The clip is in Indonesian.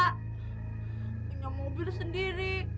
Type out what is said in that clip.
punya mobil sendiri